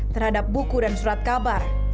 terhadap buku dan surat kabar